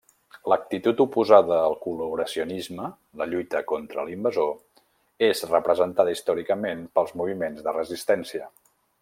L'actitud oposada al col·laboracionisme —la lluita contra l'invasor— és representada històricament pels moviments de resistència.